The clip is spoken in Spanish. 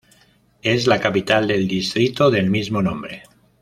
Es la capital del distrito del mismo nombre.